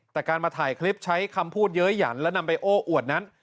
แต่การมาถ่ายคลิปใช้คำพูดเยอะหยันและนำไปโอ้อวดนั้น